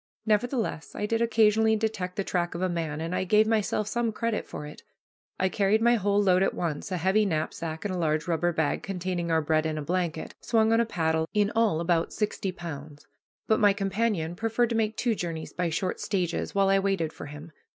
Nevertheless, I did occasionally detect the track of a man, and I gave myself some credit for it. I carried my whole load at once, a heavy knapsack, and a large rubber bag containing our bread and a blanket, swung on a paddle, in all about sixty pounds; but my companion preferred to make two journeys by short stages while I waited for him.